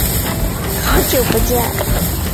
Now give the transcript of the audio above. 好久不见。